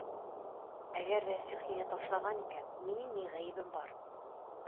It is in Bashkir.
Әгәр Рәсих һине ташлаған икән, минең ни ғәйебем бар?